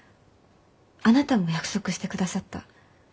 あなたも約束してくださった。